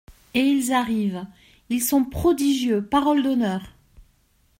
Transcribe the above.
Et ils arrivent ; ils sont prodigieux, parole d’honneur !